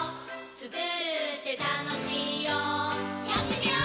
つくるってたのしいよやってみよー！